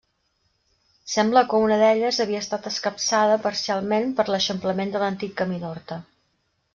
Sembla que una d’elles havia estat escapçada parcialment per l'eixamplament de l'antic camí d'Horta.